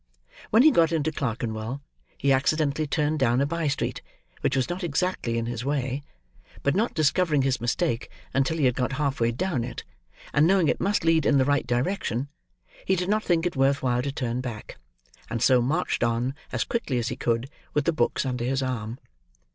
When he got into Clerkenwell, he accidently turned down a by street which was not exactly in his way; but not discovering his mistake until he had got half way down it, and knowing it must lead in the right direction, he did not think it worth while to turn back; and so marched on, as quickly as he could, with the books under his arm.